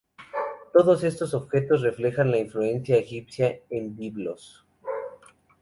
Todos estos objetos reflejan la influencia egipcia en Biblos.